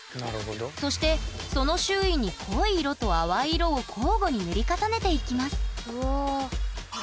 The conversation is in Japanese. そしてその周囲に濃い色と淡い色を交互に塗り重ねていきます。